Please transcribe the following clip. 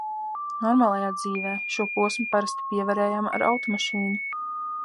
"Normālajā dzīvē" šo posmu parasti pievarējām ar automašīnu.